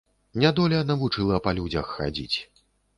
Нядоля навучыла па людзях хадзіць.